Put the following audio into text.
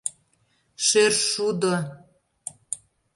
Шӧршудо...